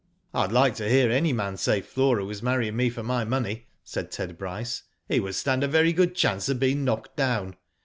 " Pd like to hear any man say Flora was marrying me for my money," said Ted Bryce, "he would stand a very good chance of being knocked down.